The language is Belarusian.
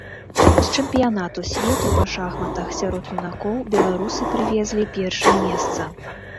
З чэмпіянату свету па шахматах сярод юнакоў беларусы прывезлі першае месца.